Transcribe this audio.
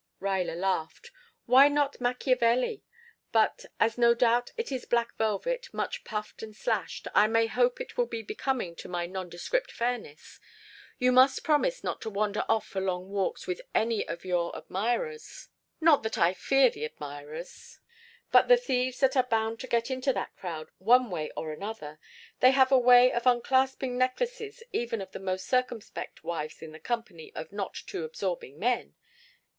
Ruyler laughed. "Why not Machiavelli? But as no doubt it is black velvet, much puffed and slashed, I may hope it will be becoming to my nondescript fairness. You must promise not to wander off for long walks with any of your admirers. Not that I fear the admirers, but the thieves that are bound to get into that crowd one way or another. They have a way of unclasping necklaces even of the most circumspect wives in the company of not too absorbing men."